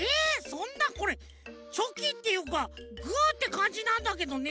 そんなこれチョキっていうかグーってかんじなんだけどね。